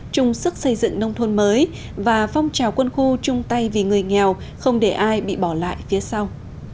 chung sức xây dựng nông thôn mới và phong trào quân khu chung tay vì người nghèo không để ai bị bỏ lại phía sau